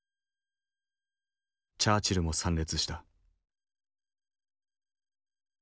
チャーチルも参列した。